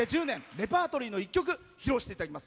レパートリーの一曲披露していただきます。